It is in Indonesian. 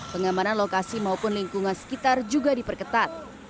pengamanan lokasi maupun lingkungan sekitar juga diperketat